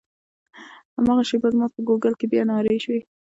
هماغه شېبه زما په ګوګل کې بیا نارې شوې.